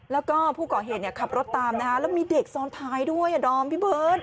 แล้วก็ผู้ก่อเหตุขับรถตามนะคะแล้วมีเด็กซ้อนท้ายด้วยดอมพี่เบิร์ต